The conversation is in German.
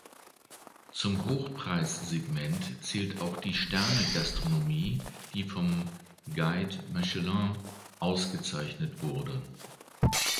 Zum Hochpreis-Segment zählt auch die „Sterne-Gastronomie“, die vom Guide Michelin ausgezeichnet wurde.